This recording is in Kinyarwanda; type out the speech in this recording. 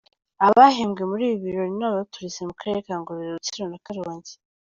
Abahembwe muri ibi birori ni abaturutse mu karere ka Ngororero, Rutsiro na Karongi.